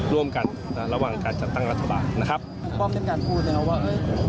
ร่วมกันอ่ะระหว่างการจัดตั้งรัฐบาลนะครับอุปกรณ์เป็นการพูดอย่างนั้นว่าเอ้ย